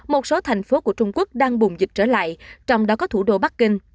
một số thành phố của trung quốc đang bùng dịch trở lại trong đó có thủ đô bắc kinh